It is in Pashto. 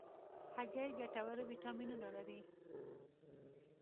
هګۍ ګټور ویټامینونه لري.